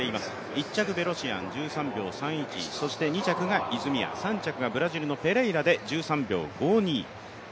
１着ベロシアン１３秒３１、そして２着が泉谷３着がブラジルのペレイラで１３秒５２。